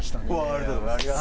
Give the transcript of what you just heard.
ありがとうございます。